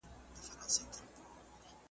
او له خپل یوازیتوبه سره ژاړې `